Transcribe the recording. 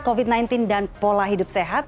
covid sembilan belas dan pola hidup sehat